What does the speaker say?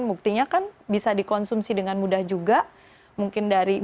buktinya kan bisa dikonsumsi dengan mudah juga mungkin dari